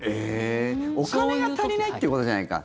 お金が足りないってことじゃないか。